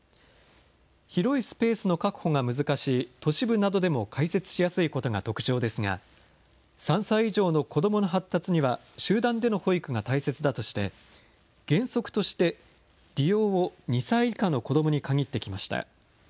広いスペースの確保が難しい都市部などでも開設しやすいことが特徴ですが、３歳以上の子どもの発達には集団での保育が大切だとして、原則として利用を２歳以下の子どもに限ってきました。